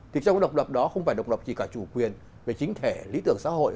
thì trong cái độc lập đó không phải độc lập gì cả chủ quyền về chính thể lý tưởng xã hội